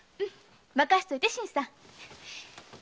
任せといて新さん。